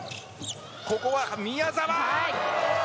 ここは宮澤！